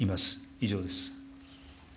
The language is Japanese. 以上です。